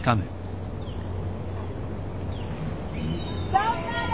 頑張れ！